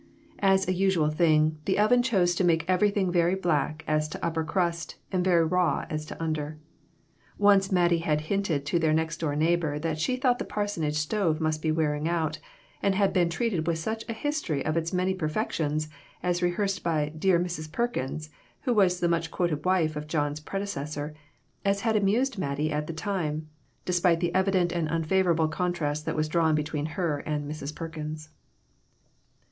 As a usual thing, the oven chose to make everything very black as to upper crust, and very raw as to under. Once Mattie had hinted to their next door neighbor that she thought the parsonage stove must be wearing out, and had been treated to such a history of its many perfections, as rehearsed by "dear Mrs. Perkins," who was the much quoted wife of John's prede cessor, as had amused Mattie at the time, despite the evident and unfavorable contrast that was drawn between her and Mrs. Perkins.